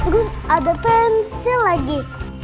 gus ada pensil lagi